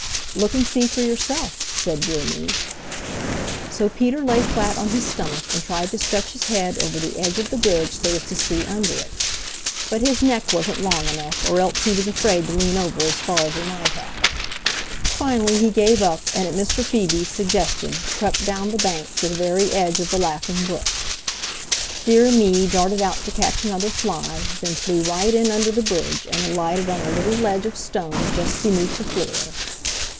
"Look and see for yourself," said Dear Me. So Peter lay flat on his stomach and tried to stretch his head over the edge of the bridge so as to see under it. But his neck wasn't long enough, or else he was afraid to lean over as far as he might have. Finally he gave up and at Mr. Phoebe's suggestion crept down the bank to the very edge of the Laughing Brook. Dear Me darted out to catch another fly, then flew right in under the bridge and alighted on a little ledge of stone just beneath the floor.